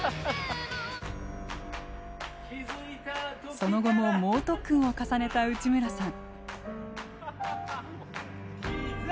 その後も猛特訓を重ねた内村さん。